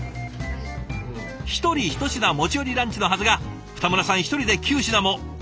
１人１品持ち寄りランチのはずが二村さん１人で９品も！